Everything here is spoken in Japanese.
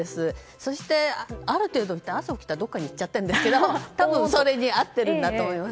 そして、朝起きたらどっかに行っちゃってるんですが多分それに合っているんだと思います。